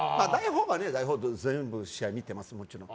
代表は全部の試合見ています。